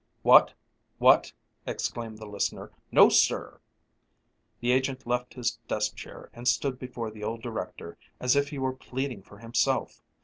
"What, what!" exclaimed the listener. "No, sir!" The agent left his desk chair and stood before the old director as if he were pleading for himself.